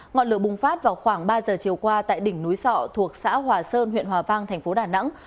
ngọn lửa bùng phát vào khoảng ba h chiều qua tại đỉnh núi sọ thuộc xã hòa sơn huyện hòa vang tp đà nẵng